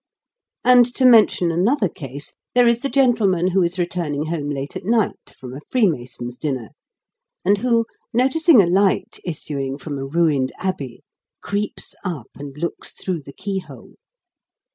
And, to mention another case, there is the gentleman who is returning home late at night, from a Freemasons' dinner, and who, noticing a light issuing from a ruined abbey, creeps up, and looks through the keyhole.